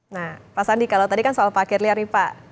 nah pak sandi kalau tadi kan soal parkir liar nih pak